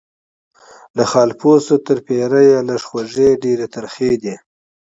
له خالپوڅو تر پیریه لږ خوږې ډیري ترخې دي